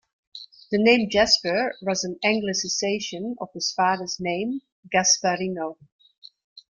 The name Jasper was an anglicisation of his father's name, Gasparino.